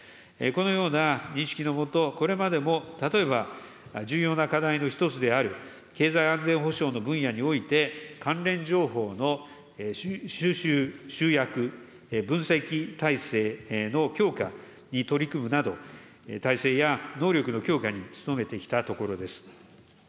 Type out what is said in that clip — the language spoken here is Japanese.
このような認識の下、これまでも例えば、重要な課題の一つである経済安全保障の分野において、関連情報の収集・集約・分析体制の強化に取り組むなど、体制や能力の強化に努めてきたところです。